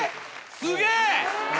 すげえ！